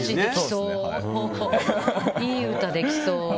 いい歌できそう。